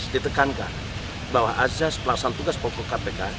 ditekankan bahwa azas pelaksanaan tugas pokok kpk